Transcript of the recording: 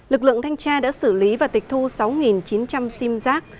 lực lượng thanh tra đã xử lý và tịch thu sáu chín trăm linh sim giác